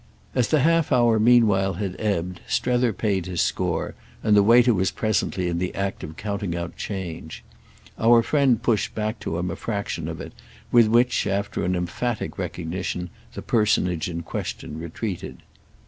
As the half hour meanwhile had ebbed Strether paid his score, and the waiter was presently in the act of counting out change. Our friend pushed back to him a fraction of it, with which, after an emphatic recognition, the personage in question retreated.